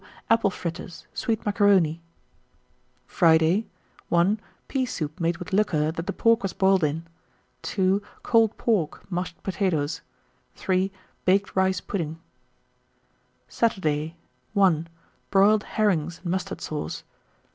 Apple fritters, sweet macaroni. 1922. Friday. 1. Pea soup made with liquor that the pork was boiled in. 2. Cold pork, mashed potatoes. 3. Baked rice pudding. 1923. Saturday. 1. Broiled herrings and mustard sauce.